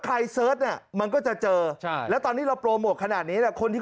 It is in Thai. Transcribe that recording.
ใครเซิร์ชมันก็จะเจอแล้วตอนนี้เราโปรโมทขนาดนี้คนที่